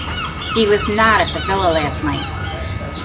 He was not at the villa last night.